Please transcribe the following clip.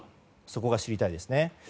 そこが知りたいですね。